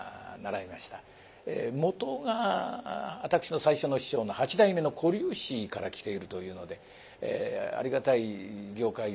もとが私の最初の師匠の八代目の小柳枝から来ているというのでありがたい業界でございます。